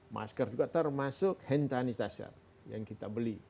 masker juga termasuk hand sanitizer yang kita beli